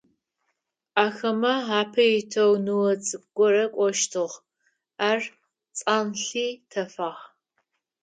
Ахэмэ апэ итэу ныо цӀыкӀу горэ кӀощтыгъ, ар цӀанлъи тефагъ.